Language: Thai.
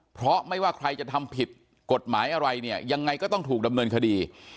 เพราะไม่ว่าใครจะทำผิดกฎหมายอะไรเนี่ยยังไงก็ต้องถูกดำเนินคดี